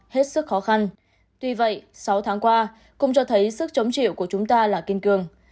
hết sức khó khăn tuy vậy sáu tháng qua cũng cho thấy sức chống chịu của chúng ta là kiên cường